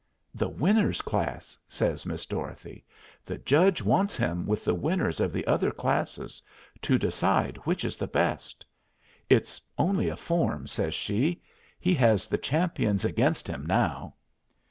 "The Winners' class," says Miss Dorothy. "The judge wants him with the winners of the other classes to decide which is the best. It's only a form," says she. "He has the champions against him now."